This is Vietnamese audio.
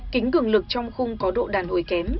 kính cường lực trong khung có độ đàn hồi kém